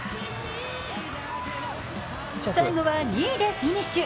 最後は２位でフィニッシュ。